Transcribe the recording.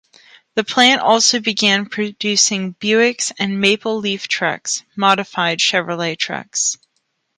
The plant also began producing Buicks and Maple Leaf trucks (modified Chevrolet trucks).